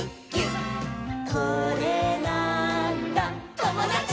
「これなーんだ『ともだち！』」